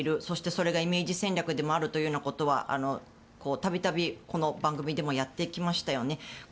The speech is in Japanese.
そしてそれがイメージ戦略でもあるということは度々、この番組でもやってきましたよね。